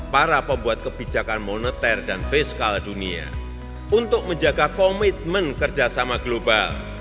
para pembuat kebijakan moneter dan fiskal dunia untuk menjaga komitmen kerjasama global